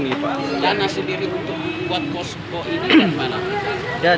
dana sendiri untuk membuat posko ini dari mana